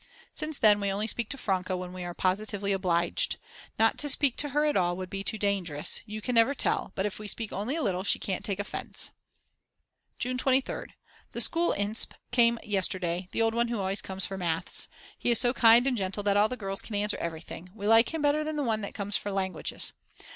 Since then we only speak to Franke when we are positively obliged. Not to speak to her at all would be too dangerous, you never can tell; but if we speak only a little, she can't take offence. June 23rd. The school insp. came yesterday, the old one who always comes for Maths. He is so kind and gentle that all the girls can answer everything; we like him better than the one who comes for languages.